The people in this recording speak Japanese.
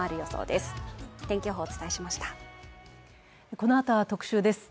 このあとは特集です。